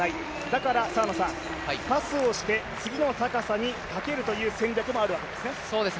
だからパスをして次の高さにかけるという戦略もあるわけですね。